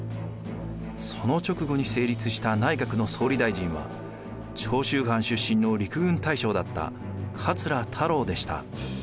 その直後に成立した内閣の総理大臣は長州藩出身の陸軍大将だった桂太郎でした。